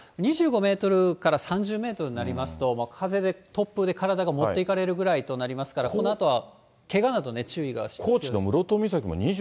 ２５メートルから３０メートルになりますと、風で突風で体が持っていかれるぐらいとなりますから、このあとはけがなどに注意が必要です。